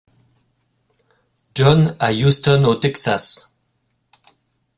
John à Houston au Texas.